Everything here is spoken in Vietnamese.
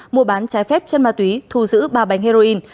mua bán trái phép chân ma túy thu giữ ba bánh heroin